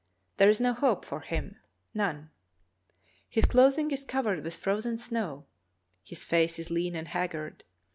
There is no hope for him — none. His clothing is covered with frozen snow, his face is lean and haggard.